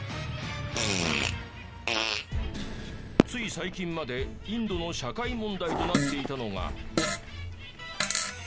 つい最近までインドの社会問題となっていたのが。